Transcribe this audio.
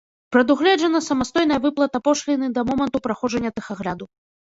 Прадугледжана самастойная выплата пошліны да моманту праходжання тэхагляду.